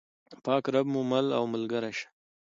پاک رب مو مل او ملګری شه.